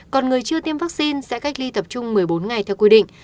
còn người chưa tiêm vaccine sẽ cách ly tập trung một mươi bốn ngày theo quy định